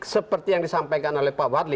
seperti yang disampaikan oleh pak wadli